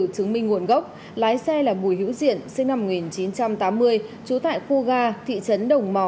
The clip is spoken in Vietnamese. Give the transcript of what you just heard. chứng minh nguồn gốc lái xe là bùi hữu diện sinh năm một nghìn chín trăm tám mươi trú tại khu ga thị trấn đồng mò